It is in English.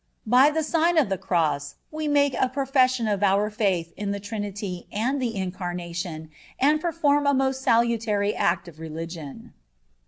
(12) By the sign of the cross we make a profession of our faith in the Trinity and the Incarnation, and perform a most salutary act of religion.